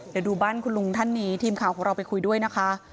เดี๋ยวดูบ้านคุณลุงท่านนี้ทีมข่าวของเราไปคุยด้วยนะคะ